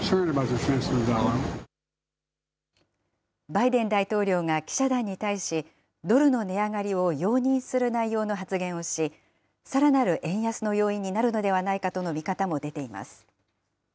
バイデン大統領が記者団に対し、ドルの値上がりを容認する内容の発言をし、さらなる円安の要因になるのではないかとの見方も出ています。